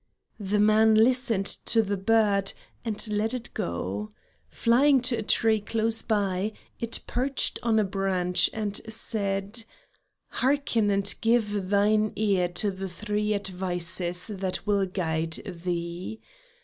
The man listened to the bird and let it go. Flying to a tree close by it perched on a branch, and said: "Hearken and give thine ear to the three advices that will guide thee.